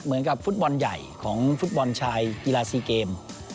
เหมือนกับฟุตบอลใหญ่ของฟุตบอลชายกีฬาซีเกม